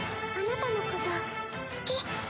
あなたのこと好き。